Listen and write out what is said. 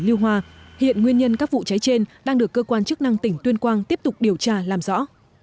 lưu hoa hiện nguyên nhân các vụ cháy trên đang được cơ quan chức năng tỉnh tuyên quang tiếp tục điều tra làm rõ